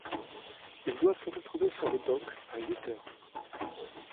Ils doivent se retrouver sur le dock à huit heures.